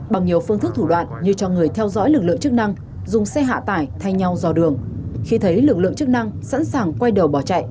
bằng nhiều phương thức thủ đoạn như cho người theo dõi lực lượng chức năng dùng xe hạ tải thay nhau dò đường khi thấy lực lượng chức năng sẵn sàng quay đầu bỏ chạy